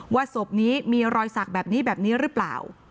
ศพนี้มีรอยสักแบบนี้แบบนี้หรือเปล่า